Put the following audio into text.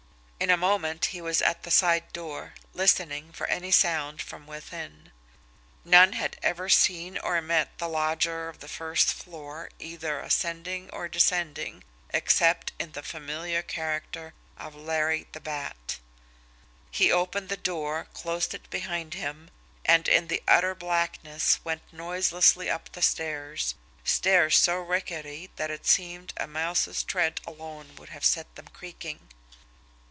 In a moment he was at the side door, listening for any sound from within none had ever seen or met the lodger or the first floor either ascending or descending, except in the familiar character of Larry the Bat. He opened the door, closed it behind him, and in the utter blackness went noiselessly up the stairs stairs so rickety that it seemed a mouse's tread alone would have set them creaking.